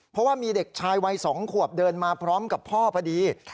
เพราะว่ามีเด็กชายวัย๒ขวบเดินมาพร้อมกับพ่อพอดี